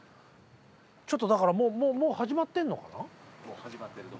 ちょっとだからもうもう始まってんのかな？